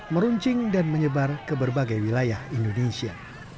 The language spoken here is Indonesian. meruncing dan menyebar ke berbagai wilayah indonesia